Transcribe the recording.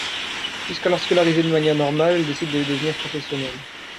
Jusqu'alors scolarisée de manière normale, elle décide de devenir professionnelle.